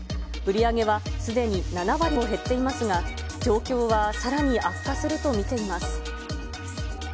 売り上げはすでに７割も減っていますが、状況はさらに悪化すると見ています。